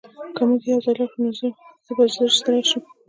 که موږ یوځای لاړ شو نو زه به ژر ستړی شم